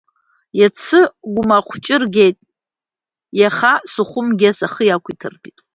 Иацы Гәма хәыҷы ргеит, иаха СухумГес ахы иақәиҭыртәит…